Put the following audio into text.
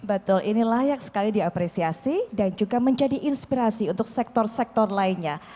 betul ini layak sekali diapresiasi dan juga menjadi inspirasi untuk sektor sektor lainnya